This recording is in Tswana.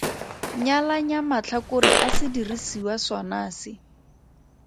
Nyalanya matlhakore a sediriswa sona se.